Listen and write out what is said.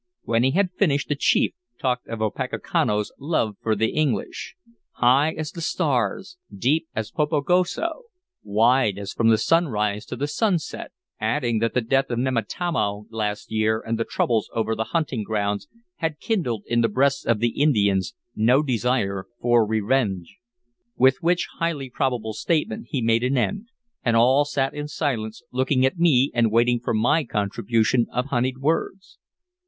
When he had finished a chief talked of Opechancanough's love for the English, "high as the stars, deep as Popogusso, wide as from the sunrise to the sunset," adding that the death of Nemattanow last year and the troubles over the hunting grounds had kindled in the breasts of the Indians no desire for revenge. With which highly probable statement he made an end, and all sat in silence looking at me and waiting for my contribution of honeyed words.